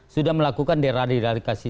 sudah melakukan deradikalisasi